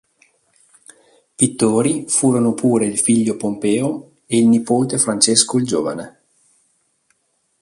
Pittori furono pure il figlio Pompeo e il nipote Francesco il giovane.